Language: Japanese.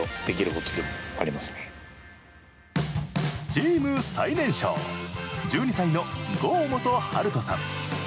チーム最年少、１２歳の郷本春翔さん。